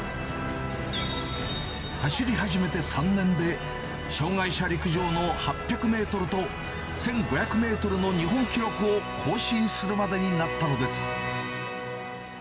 走り始めて３年で、障害者陸上の８００メートルと１５００メートルの日本記録を更新するまでになったのです。